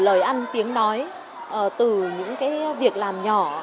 từ lời ăn tiếng nói từ những việc làm nhỏ